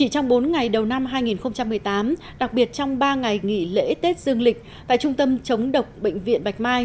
trong bốn ngày đầu năm hai nghìn một mươi tám đặc biệt trong ba ngày nghỉ lễ tết dương lịch tại trung tâm chống độc bệnh viện bạch mai